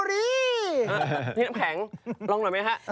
พี่น้ำแข็งลองหน่อยมั้ยครับ